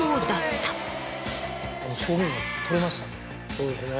そうですね。